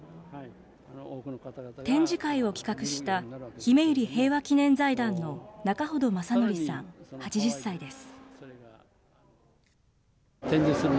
展示会を企画したひめゆり平和祈念財団の仲程昌徳さん８０歳です。